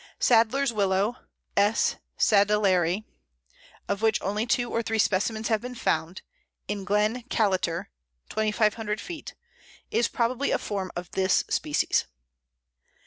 Sadler's Willow (S. sadleri), of which only two or three specimens have been found (in Glen Callater, 2500 feet), is probably a form of this species.